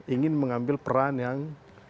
ingin mengambil peran yang